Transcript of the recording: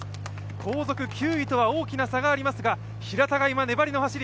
後続９位とは大きな差がありますが、枚田が今、粘りの走り。